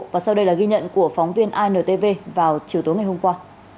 và sau đây là ghi nhận của phóng viên intv vào chiều tối ngày hôm qua